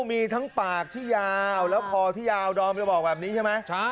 มีทั้งปากที่ยาวแล้วคอที่ยาวดอมจะบอกแบบนี้ใช่ไหม